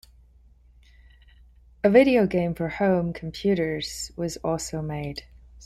A video game for home computers was also made.